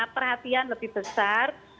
perhatian lebih besar